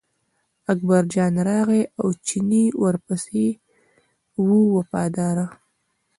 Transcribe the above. اکبرجان راغی او چینی ورپسې و وفاداره.